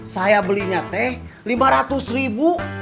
saya belinya teh lima ratus ribu